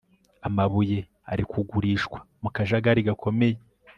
amabuye arikugurishwa mu kajagari gakomeye